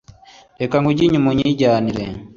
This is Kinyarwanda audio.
Reka nkujye inyuma unyijyanire,